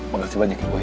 makasih banyak ya boy